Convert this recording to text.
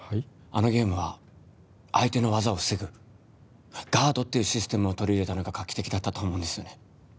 あのゲームは相手の技を防ぐガードっていうシステムを取り入れたのが画期的だったと思うんですよね